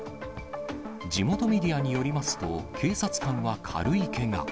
地元メディアによりますと、警察官は軽いけが。